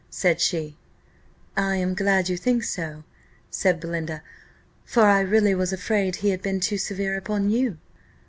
said she. "I am glad you think so," said Belinda; "for I really was afraid he had been too severe upon you."